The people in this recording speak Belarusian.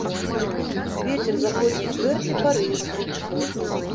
Вецер заходняй чвэрці парывісты.